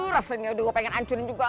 rafenya udah gua pengen ancurin juga